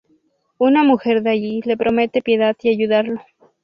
Una mujer de allí le promete piedad y ayudarlo.